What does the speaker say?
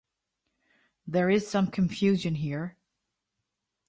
There is some confusion here.